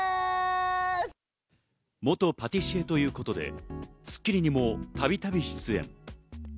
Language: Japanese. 元パティシエということで、『スッキリ』にも度々出演。